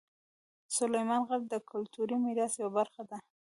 سلیمان غر د کلتوري میراث یوه برخه ده.